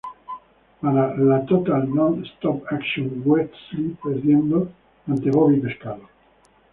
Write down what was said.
Para la Total Nonstop Action Wrestling, perdiendo ante Bobby pescado.